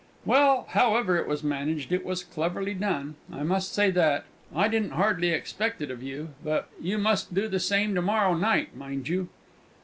"Well, however it was managed, it was cleverly done. I must say that. I didn't hardly expect it of you. But you must do the same to morrow night, mind you!"